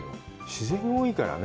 自然が多いからね。